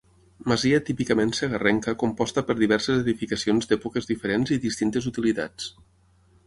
Masia típicament segarrenca composta per diverses edificacions d'èpoques diferents i distintes utilitats.